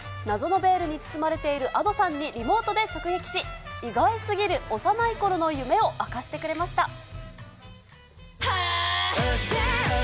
謎のベールに包まれているＡｄｏさんにリモートで直撃し、意外すぎる幼いころの夢を明かしてくれました。